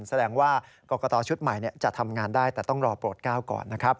แสดงว่ากรกตชุดใหม่จะทำงานได้แต่ต้องรอโปรดก้าวก่อนนะครับ